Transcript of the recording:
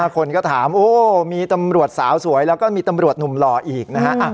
คนก็ถามโอ้มีตำรวจสาวสวยแล้วก็มีตำรวจหนุ่มหล่ออีกนะฮะ